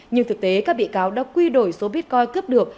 nhưng thực tế các bị cáo đã quy đổi số bitcoin cướp được